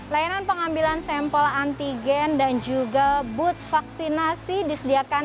layanan pengambilan sampel antigen dan juga booth vaksinasi disediakan